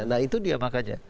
nah itu dia makanya